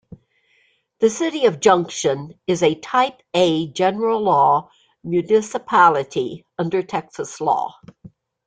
The city of Junction is a "Type A" General Law municipality under Texas law.